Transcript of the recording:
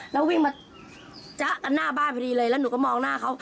แล้ววิ่งมาจ๊ะกันหน้าบ้านพอดีเลยแล้วหนูก็มองหน้าเขา